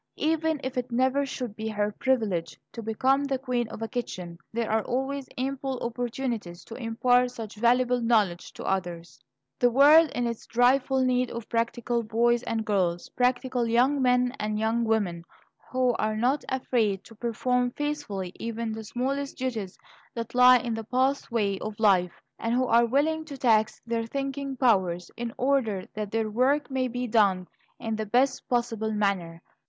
Even if it never should be her privilege to become the queen of a kitchen, there are always ample opportunities to impart such valuable knowledge to others. The world is in direful need of practical boys and girls, practical young men and young women, who are not afraid to perform faithfully even the smallest duties that lie in the pathway of life, and who are willing to tax their thinking powers in order that their work may be done in the best possible manner.